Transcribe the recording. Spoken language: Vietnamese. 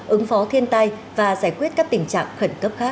ứng phó thiên tai và giải quyết các tình trạng khẩn cấp khác